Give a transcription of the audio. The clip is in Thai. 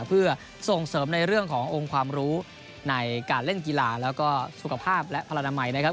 เพื่อส่งเสริมในเรื่องขององค์ความรู้ในการเล่นกีฬาแล้วก็สุขภาพและพลนามัยนะครับ